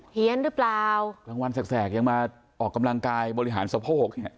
เหี้ยนหรือเปล่ากลางวันแสกยังมาออกกำลังกายบริหารสะโพกเนี่ย